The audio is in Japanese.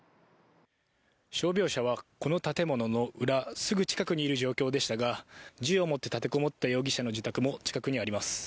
傷病者はこの建物の裏すぐ近くにいる状況でしたが銃を持って立てこもった容疑者の自宅も近くにあります。